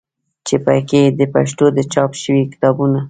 چې په کې د پښتو د چاپ شوي کتابونو